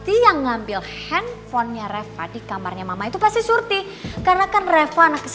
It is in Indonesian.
iya dia ada di sini kok